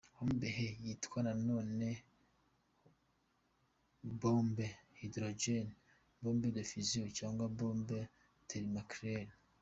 Bombe H yitwa nanone bombe à hydrogène, bombe à fusion cyangwa bombe thermonucléaire.